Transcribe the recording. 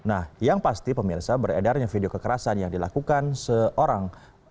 nah yang pasti pemirsa beredarnya video kekerasan yang dilakukan seorang